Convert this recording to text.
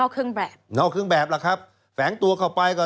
ก็คือนอกเครื่องแบบ